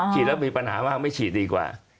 ฉีดแล้วมีปัญหามากไม่ฉีดดีกว่า